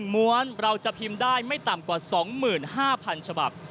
ม้วนเราจะพิมพ์ได้ไม่ต่ำกว่า๒๕๐๐๐ฉบับ